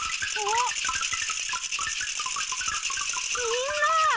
みんな。